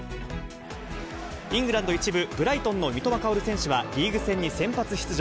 イングランド１部・ブライトンの三笘薫選手は先発出場。